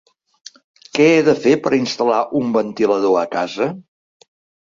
Què he de fer per instal·lar un ventilador a casa?